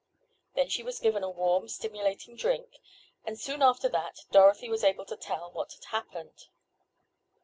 Then she was given a warm, stimulating drink, and, soon after that, Dorothy was able to tell what had happened.